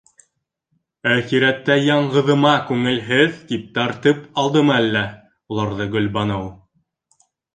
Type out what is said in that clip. Әхирәттә яңғыҙыма күңелһеҙ тип тартып алдымы әллә уларҙы Гөлбаныу?